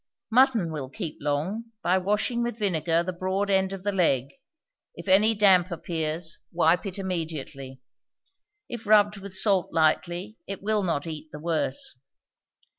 Mutton will keep long, by washing with vinegar the broad end of the leg; if any damp appears, wipe it immediately. If rubbed with salt lightly, it will not eat the worse.